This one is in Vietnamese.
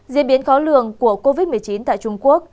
diễn biến khó lường của covid một mươi chín tại trung quốc